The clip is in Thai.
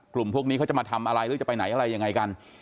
กลุ่มพวกนี้เขาจะมาทำอะไรหรือจะไปไหนอะไรยังไงกัน